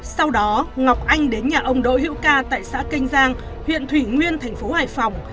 sau đó ngọc anh đến nhà ông đỗ hữu ca tại xã kênh giang huyện thủy nguyên thành phố hải phòng